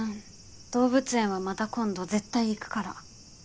動物園はまた今度絶対行くから。